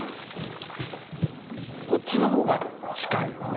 こっちの方が近いよね。